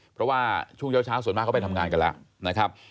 เพราะว่าช่วงเช้าส่วนมากเขาไปทำงานกันแล้วนะครับ